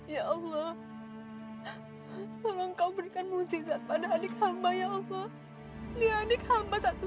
ya allah tolong kau berikan muzizat pada adik hamba ya allah satu